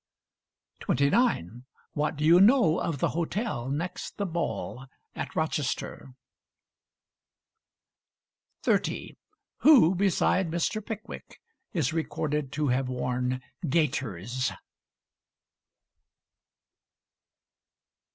29. What do you know of the hotel next the Ball at Rochester? 30. Who beside Mr. Pickwick is recorded to have worn gaiters?